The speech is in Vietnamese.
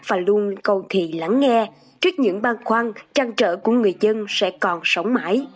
và luôn cầu thị lắng nghe trước những băng khoăn chăn trở của người dân sẽ còn sống mãi